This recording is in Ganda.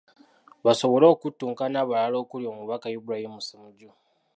Basobole okuttunka n’abalala okuli omubaka Ibrahim Ssemujju.